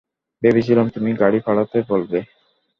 ভেবেছিলাম তুমি গাড়ি পাঠাতে বলবে।